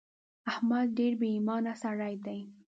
احمد ډېر بې ايمانه سړی دی.